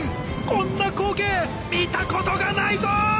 こんな光景見たことがないぞ！